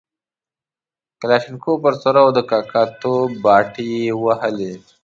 کلاشینکوف ورسره وو او د کاکه توب باټې یې وهلې.